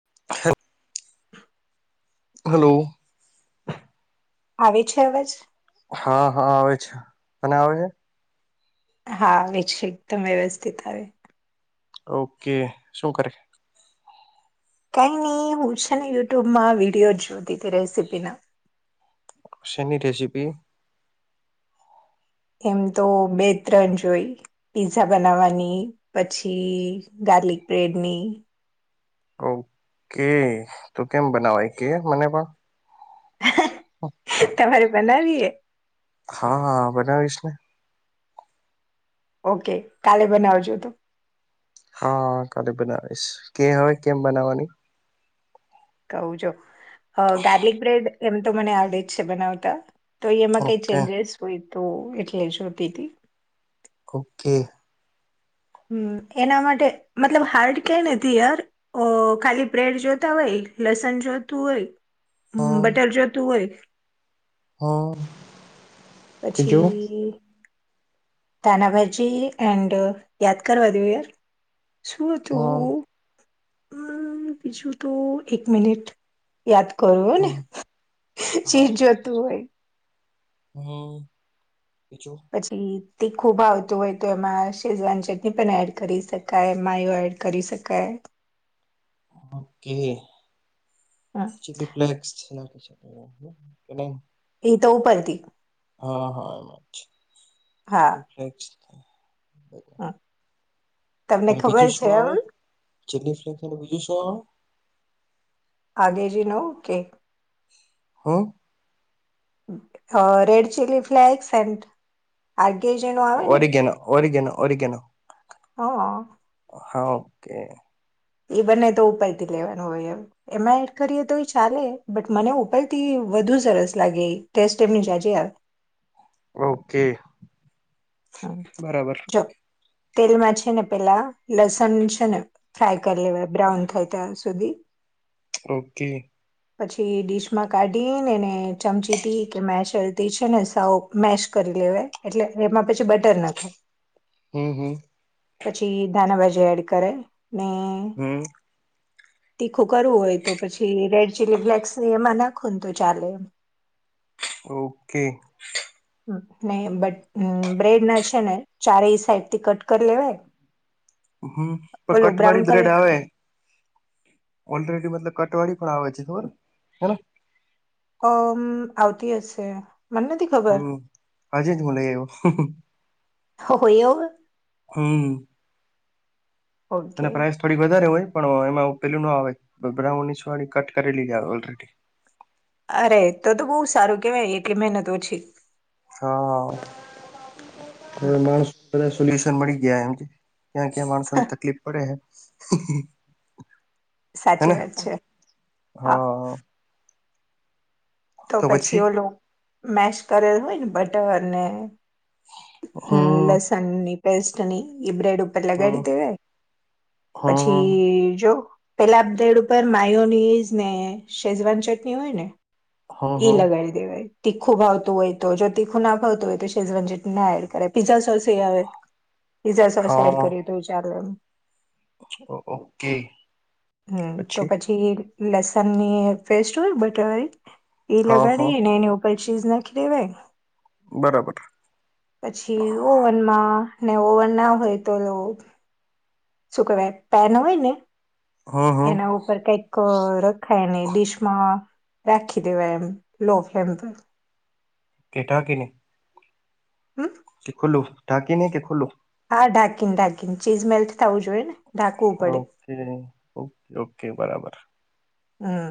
[unintelligible] Hello આવે છે અવાજ? હા હા આવે છે તને આવે? હા આવે છે એકદમ વ્યવસ્થિત આવે. ઓકે શું કરે? કઈ ની હું છે ને યુટ્યુબમાં વિડીયો જોતી તી રેસીપીના. શેની રેસીપી? એમ તો બે ત્રણ જોઈ. પિઝા બનાવવાની પછી ગાર્લિક બ્રેડની ઓકે તો કેમ બનાવાય કે મને પણ? હ હ તમારે બનાવી હા હા બનાવીશ ને. ઓકે કાલે બનાવજો. હ કાલે બનાવીશ કે હવે કેમ બનાવાની? કહું જો ગાર્લિક બ્રેડ એમ તો મને આવડે જ છે બનાવતા. તો એમાં કઈ ઓકે ચેન્જેસ હોય તો એટલે જોતી તી. ઓકે હમ એના માટે મતલબ હાર્ડ કય નથી યાર ઓ ખાલી બ્રેડ જોતા હોય લસણ જોતું હોય હા બટર જોતું હોય [unintelligible] પછી ધાણા ભાજી એન્ડ યાદ કરવા દેવો યાર શું હા હતું ઉ બીજું તો એક મિનિટ યાદ કરુ ને હમ હા ચીજ હા જોતું હોય. હમ બીજું પછી તીખું ભાવતું હોય તો એમાં શેજવાન ચટણી પણ એડ કરી શકાય માયો એડ કરી શકાય. ઓકે ચીલી ફ્લેક્સ એ તો ઉપરથી હા હા હા [unintelligible] તમને અને ખબર બીજું છે શું આવે એમ? ચીલી ફ્લેક્સ અને બીજું શું? આગેજીનો okay O a red chilli flakes and આર્ગે જન ઓ ઘેનો ઓ ઘેનો ઓ ઘનો. [inaudible] હા ઓકે્ એ બંને તો ઉપર થી લેવાનું હોય એમ. એમાં એડ કરીએ તો એ ચાલે બટ મને ઉપરથી વધુ સરસ લાગે એ ટેસ્ટ એમની જજે. ઓકે. હમ બરાબર જો તેલમાં છે ને પેલા લસણ છે ને ફ્રાય કરી લેવાય બ્રાઉન થાય ત્યાં સુધી. ઓકે. પછી ડીશ માં કાઢી નેને ચમચી તથી કે મેચલતી છે ને સાઉ મેશ કરી લેવાય એટલે એમાં પછી બટર નાખાય હમ હમ પછી ધાણા ભાજી એડ કરે ને હમ તીખું કરવું હોય તો પછી રેડ ચીલી ફ્લેક્સની એમાં નાખો ને તો ચાલે એમ ઓકે. ને બ્રેડ ના છે ને ચારેય સાઈડથી કટ કરી લેવાય હમ પણ ઓલું બ્રાઉન કટવાળી કલર બ્રેડ આવે. ઓલરેડી મતલબ કટવાળડી પણ આવે છે થો હે અ આવતી હશે મને નથી ખબર હમ હજી જ મું લઈ આવ્યો. હ હો એવું હમ ઓકે અને પ્રાાઈસ થોડી વધારે હોય પણ એમાં પેલું ના આવે બ્રાઉનીસોળી કટ કરી લીધી આવે ઓલરેડી. અરે તો તો બહુ સારું કેવાય એટલી મહેનત ઓછી. હા માણસ સોલ્યુશન મળી ગયા એમ. ક્યાં ક્યાં માણસો ને તકલીફ પડે હ સાચી હેને વાત છે હા. તો પછી ઓ લોકો મેશ કરેલ હોય ને બટર ને હમ હા લસણ ની પેસ્ટ ની એ બ્રેડ ઉપર હા લગાડી દેવાય હા પછી જો પેલા બ્રેડ ઉપર માયોયોનીઝ ને શેઝવાન ચટણી હોય ને હા ઈ હા લગાવી દ. તીખું ભાવતું હોય તો જો તીખું ના ભાવતું હોય તો શેજવન જેટ ના એડ કરે પીઝા સોસ એ આવે. પીઝા સોસ એડ હા કરી દઉ ચાલ એ. ઓકે. હમ તો પછી લસન ની પેસ્ટ હોય બટર હોય. એ હા હા લગાડી ને એની ઉપર ચીઝ નાખ લેવાય બરાબર. પછી ઓવનમાં ને ઓવન ના હોય તો શું કહેવાય પેન હોય ને હા હા એના પર કઈક રખાયને ડીશમાં રાખી દેવાય એમ લો ફ્લેમ પર કેટા કેને. હું કે ખુલ્લું ઢાકી નને કે ખુલ્લું. હા ઢાકીન ઢાંકીન ચીઝ મેલ્ટ થું જોઈએ ને. ઢાંકવું પડે ઓકે ઓકે ઓકે બરાબર. હમ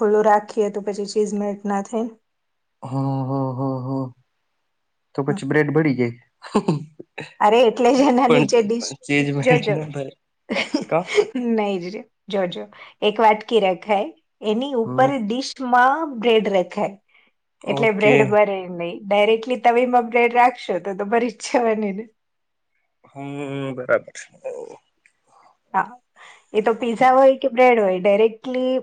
ખુલ્લું રાખીએ તો પછી ચીઝ મલટ ના થઈ ને હા હા હા હા તો હમ. પછી બ્રેડ ભળ જાય. અરે એટલે જ એના પણ નીચે ડીશ ચેજ બ્રેડ જોજો. ના ભરે કા નહી જ જો જો એક વાત કિ રકાઈ. એની હમ ઉપર િશ માં બ્રેડ રખાય એટલે ઓકે બ્રેડ ભરે નહી‌. ડાયરેક્ટલી તવીમા પલેટ રાખશો તો તો બળી જ જાવાની ને ૐ ઓ ઓ બરાબર છે હા એ તો પીઝા હોય કે બ્રેડ હોય ડાયરેક્ટલી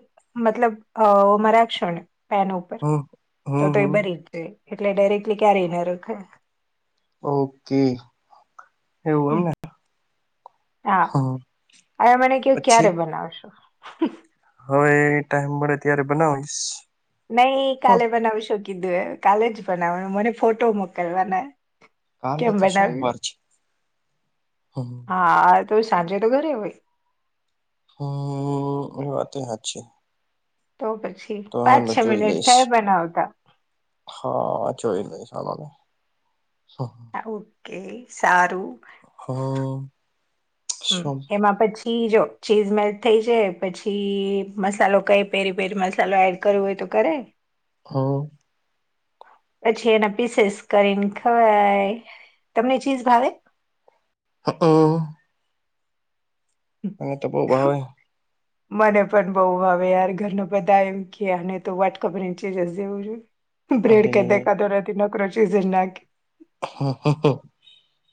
મતલબ હવ મરાંક ક્ષને પેન ઉપર હમ તો હમ તો એ હમ બરી. એટલે ડાયરેક્ટલી ક્યારેય ના રખાય. ઓકે એવું હમ હોયને. હા આયા મળી ગયું પછી ક્યારે બનાવશો? હવે એ ટાઈમ મળે ત્યારે બનાવીશ. નહી હ કાલે બનાવું શું કીધું એ કાલે જ બનાવવાનું મને ફોટો મોકલવાના. કાલની કેમ તો બનાવ્યુ સોમવાર છે. હમ હા આ તો સાંજે તો ઘરે હોય. અં અં એ વાતેય સાચી. તો પછી પાંચ છ જોઈ મિનિટ લઈશ. થાય બનાવતા. હા ચોઈ ન સાર ઓકે સારૂ. અં હ હ હુ એમાં પછી ચીજો ચીજ મેલ્ટ થઇ જ પછી મસાલો કઈ પેરી પેરી મસાલો એડ કરવો હોય તો કરાય. હ. પછી એના પીસેસ કરીને ખવાય તમને ચીઝ ભાવે? હંઅ અમે તો બહુ ભાવે. મને પણ બહુ ભાવે યાર ઘર નુ બધા એમ કે અને તો વાટકો ભરીને ચીજ જ દેવું જોઈએ. હુ બ્રેડ અરે કાય દેખાતો નથી નકરો ચીઝ નાખે. હા હા હા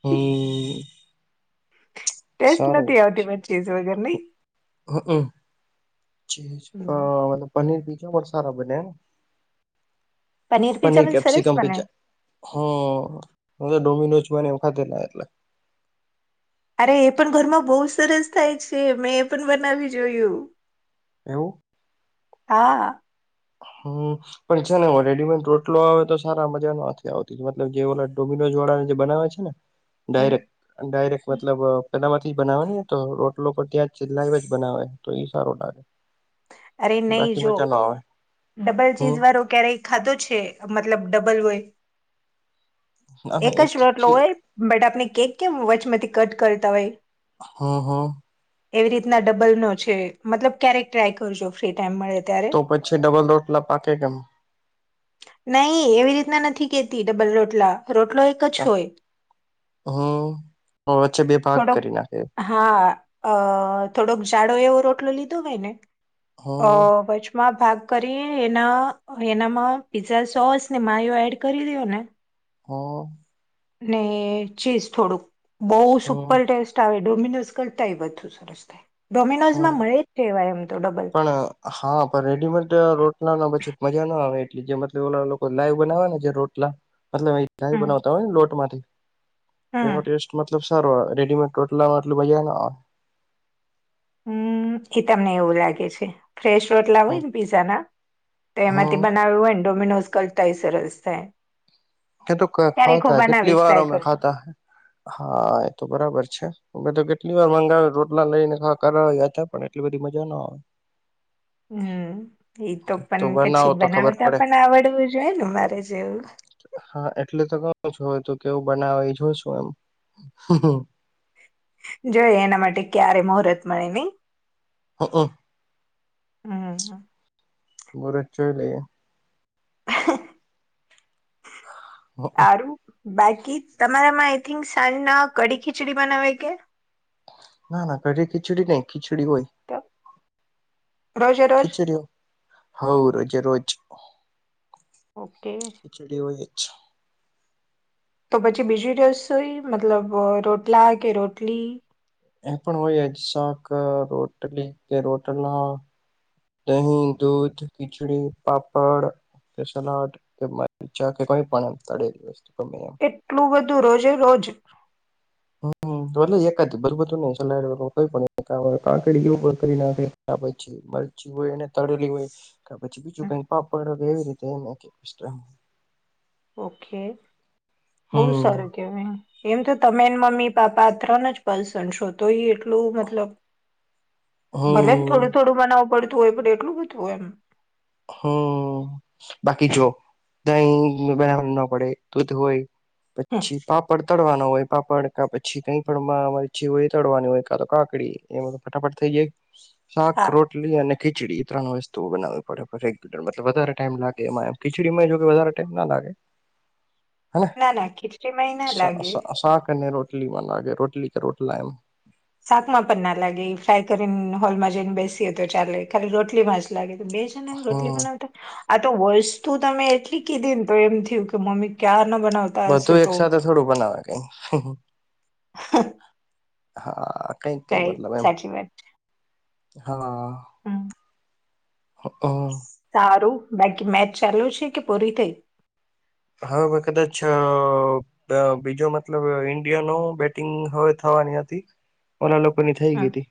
હ ઉવ. ટેસ્ટ નથી આવતી મે ચીઝ વગેરની. હમ હકન પનીર પીજા પણ સારા બને. પીઝા પનીર પણ કેપ્સી સરસ બને કંમપીજા હ હવે ડોમિનોઝ બને એવું ખાતેદાર. અરે એ પણ ઘરમાં બહુ સરસ થાય છે મેં એ પણ બનાવી જોયું. એવું. હા. હ ઉ. પણ છે ને રેડીમેડ રોટલો આવે તો સારા મજા ન નથી આવતી મતલબ જે ઓ ટોમિનોઝ વાળા જે બનાવે છે. છે ને હમ ડાયરેક્ટ અનડાયરેક્ટ મતલબ બદા માંથી જ બનાવે ને તો રોટલો ત્યાં જ લાઈવ જ બનાવે તો એ સારો લાગે. અરે નહી બાકી જો મજા નો આવે. ડબલ ચીઝ હમ વાળો ક્યારેય ખાધો છે મતલબ ડબલ હોય. અને એક એ જ રોટલો હોય બટ આપણે કેક કેમ વચમાંથી કટ કરતા હોય. હ હ. એવી રીતના ડબલ નો છે મતલબ ક્યારેક ટ્રાય કરજો ફ્રી ટાઈમ મળે ત્યારે તો પછી ડબલ રોટલા પાકે કેમ નહી એવી રીતના નથી કેતી ડબલ રોટલા રોટલો એક જ હોય તા હ વચ્ચે બે ભાગ થોડોક કરી નાખે. હા અ થોડોક જાડો એવો રોટલો લીધો હોય ને અ હમ બછુ માં ભાગ કરી એના એનામાં પીઝા સોસ ને માયો એડ કરી દેવાના. હ અ. ને ચીઝ થોડુંક બહુ હમ સુપર ટેસ્ટ ટાવે ડોમિનોઝ કરતા ય વઘુ સરસ થાય હમ ડોમિનોઝમા મળે જ તે એવા એમ તો ડબલ. પણ હા પણ રેડીમેડ રોટલાનો પછી મજાનો આવે એટલે જે માથી ઓલા લોકો લાઈવ બનાવે ને જે રોટલા. મતલબ એ લાઈવ હમ બનાવતા હોય ને લોટ માંથી. હમ એનો ટેસ્ટ મતલબ સારો રેડીમેડ ટોટલામાં આટલું મજા ના આવે. હમ્મ એ તમને એવું લાગે છે. ફ્રેશ રોટલા હોય આવે. ને પીઝા ના તો એમાંથી હમ બનાવ્યું હોય ને ડોમિનોસ [unintelligible] સરસ થાય. એ તો ક્યારેક હું ખાધા કેટલી બનાવીશ વાર ટ્રાય અમે કરજો ખાધા હા એ તો બરાબર છે. અમે તો કેટલી વાર મંગાવે રોટલા લઈને [unintelligible] પણ એટલી બધી મજા ના આવે હમ્મ એ તો પણ બનાવો પછી તો ખબર બનાવતા પડે પણ આવડવું જોયે ને મારે જેવુ. હા એટલે તો કહુ છુ, તુ કેવું બનાવે એ જોશું એમ જોય એના માટે ક્યારે મુહૂર્તે મળે નય [inaudible] હા હા મુરત જોય લે [inaudible] હમ, હારું બાકી તમારામાં આઈ થિંક સાંજ ના કડી ખીચડી બનાવે કે ના ના કઢી ખીચડી નય ખીચડી હોય તો રોજે રોજ ખીચડી હોવ રોજે રોજ ઓકે ખીચડી હોય જ છે. તો પછી બીજી રસોઈ મતલબ રોટલા કે રોટલી એ પણ હોય જ શાક રોટલી કે રોટલા દહીં દૂધ ખિચડી પાપડ સલાડ પામચા કે કઈ પણ એમ તેડેલી વસ્તુ ગમે એમ એટલું બધું રોજે રોજ હમ્મ ધોલે એકાદ બધું બધું ની સલાડ મરચૂ હોયને તળેલી હોય. પછી બીજું કઈ પાપડ એવી રીતે ઓકે બહુ હમ સારું કેવાય એમ એમ તો તમને મમ્મી પાપા ત્રણ જ પર્સન છો તોયે એટલું મતલબ ભલે ને હમ થોડું થોડું બનાવું પડતું હોય, પણ એટલું બધુંય એમ હમ્મ બાકી જો હમ, પછી પાપડ તળવાનો હોય પાપડ કા પછી કઈ પણ તળવાની હોય, કા તો કાકડી એમાં ફટાફટ થઈ જાય. હા શાક રોટલી અને ખીચડી ત્રણ વસ્તુ બનાવે બરાબર રેગ્યુલર વધારે ટાઈમ લાગે એમાં ખીચડીમાં જો કે વધારે ટાઈમ ના લાગે. હેને ના ના ખીચડીમાં એ ના શા લાગે શા શાક અને રોટલીમાં નાાગે રોટલી કે રોટલા એમ શાક માં પણ ના લાગે એ ફ્રાય કરીને હોલમાં જઈને બેસીએ તો ચાલે ખાલી રોટલીમાં જ લાગે તો બેજ રોટલી હમ બનાવતા આ તો વસ્તુ તમે એટલી કીધી ને તો એમ થયું કે મમ્મી ક્યાર નો બના બધું એક સાથે થોડું બનાવે કઈ હા કઈક કઈક રાઈટ મતલબ એમ સાચી વાત હા હમ હો. સારું બાકી મેચ ચાલુ છે કે પૂરી થઈ હા મે કદાચ બીજો મતલબ ઈન્ડિયાનો બેટિંગ હવે થવાની હતી. ઓલા લોકો ની થઈ હ ગઈ હતી.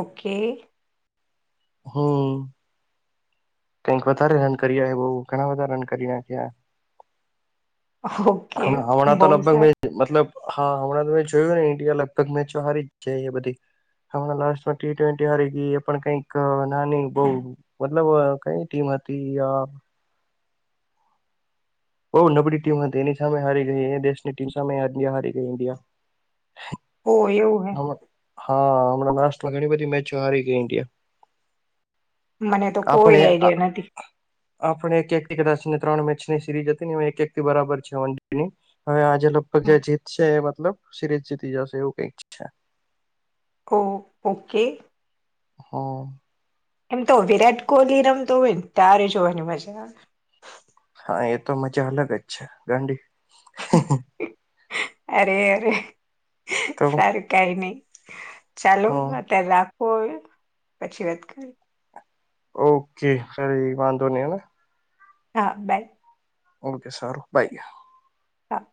ઓકે હમ્મ કઈક વધારે રન કર્યા એ બહ ઘણા બધા રન કર્યા ત્યા હ ઓકે હમણા તો બહુ લગભગ મે સારું મતલબ હા હમણાં તમે જોયુ, ને ઇન્ડિયા લગભગ મેચો હારી જ જાય એ બધી હમણાં લાસમાં ટી ટ્વેન્ટી હરી ગઈ એ પણ કઈક નાની બઉ મતલબ કઈ ટીમ હતી યાર બહું નબળી ટીમ હતી એની સામે હારી ગઈ એ દેશની ટીમ સામે હારી ગઈ ઇન્ડિયા. હો એવું. હે હા હમણાં [unintelligible] ઘણી બધી મેચો હારી ગઈ ઇન્ડિયા. મને તો કોઈ આપણે આ આઈડિયા નથી આપણે એક એક એક દસ ને ત્રણ મેચની સિરીઝ હતી ને એક એક બરાબર છે [unintelligible] ની. હવે આજે લગભગ હમ, જે જીતશે એ મતલબ સિરીઝ જીતી જશે એવું કઈક છે. ઓ ઓકે. હા. એમ તો વિરાટ કોહલી રમતો હોય ને ત્યારે જોવાની મજા. હા એ તો મજા અલગ જ છે ગાંડી. [unintelligible] અરે અરે તો સારું કઈ નહી. ચાલો હમ અત્યારે રાખો હવે પછી વાત કરીએ. ઓકે ખરી વાંધો નહી હે ને. હા બાય. ઓકે સારું બાય. હા.